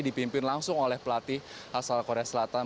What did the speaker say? dipimpin langsung oleh pelatih asal korea selatan